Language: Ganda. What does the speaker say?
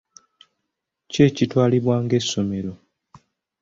Ki ekitwalibwa ng'essomero?